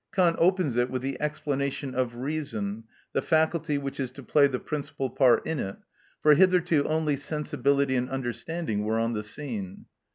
Kant opens it with the explanation of reason, the faculty which is to play the principal part in it, for hitherto only sensibility and understanding were on the scene.